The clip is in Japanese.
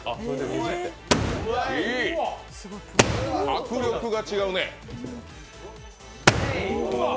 迫力が違うね！